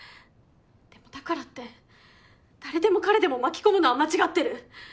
でもだからって誰でも彼でも巻き込むのは間違ってる。